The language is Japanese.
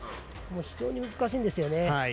非常に難しいんですよね。